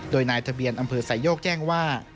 โดยนายทะเบียนอำเภอสายโยกแจ้งว่า